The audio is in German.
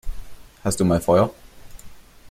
Hast du mal Feuer?